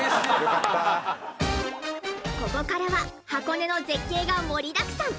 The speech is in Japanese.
ここからは箱根の絶景が盛りだくさん。